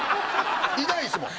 いないんすもん。